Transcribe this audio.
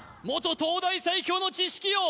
東大最強の知識王！